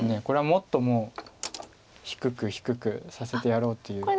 これはもっともう低く低くさせてやろうという。